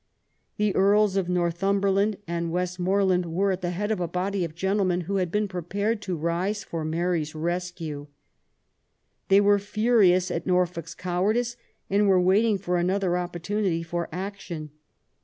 The Earls of Northumberland and West moreland were at the head of a body of gentlemen who had been prepared to rise for Mary's rescue. They were furious at Norfolk's cowardice, and were waiting for another opportunity for action.